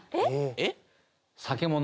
「えっ？」